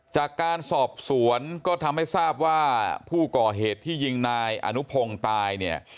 จากการสอบสวนก็ทำให้ทราบว่าผู้ก่อเหตุที่ยิงนายอนุพงศ์ตายเนี่ย